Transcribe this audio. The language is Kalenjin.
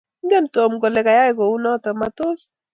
Ingen Tom kole keyay kunoto matos?